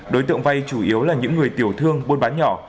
đối tượng vay chủ yếu là những người tiểu thương buôn bán nhỏ